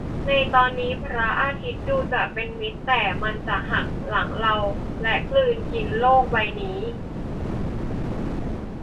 ในตอนนี้พระอาทิตย์ดูจะเป็นมิตร แต่มันจะหักหลังเราและกลืนกินโลกใบนี้